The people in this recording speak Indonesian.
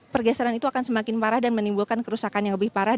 pergeseran itu akan semakin parah dan menimbulkan kerusakan yang lebih parah